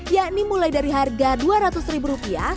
yakni mulai dari harga rp dua ratus ribu rupiah